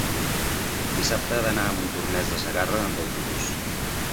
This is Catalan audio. dissabte he d'anar a Montornès de Segarra amb autobús.